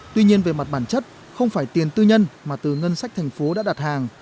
tuy nhiên về mặt bản chất không phải tiền tư nhân mà từ ngân sách thành phố đã đặt hàng